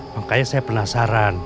makanya saya penasaran